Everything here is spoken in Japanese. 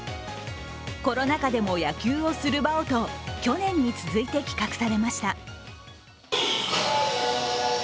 コロナ禍でも野球をする場をと去年に続いて企画されました。